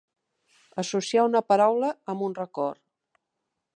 Associar una paraula amb un record.